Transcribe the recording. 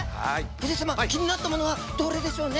藤井様気になったものはどれでしょうね。